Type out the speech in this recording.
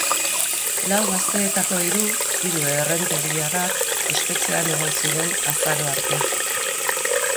Lau gazteetako hiru, hiru errenteriarrak, espetxean egon ziren azaro arte.